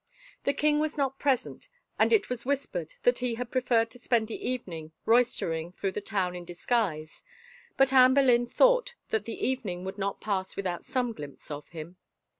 The king was not present and it was whispered that he had preferred to spend the' evening roistering through the town in disguise, but Anne Boleyn thought that the even ing would not pass without some glimpse of him.